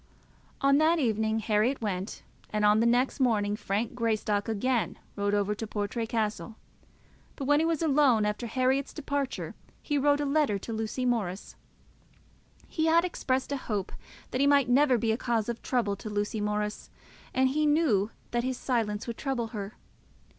On that evening Herriot went, and on the next morning Frank Greystock again rode over to Portray Castle; but when he was alone after Herriot's departure, he wrote a letter to Lucy Morris. He had expressed a hope that he might never be a cause of trouble to Lucy Morris, and he knew that his silence would trouble her.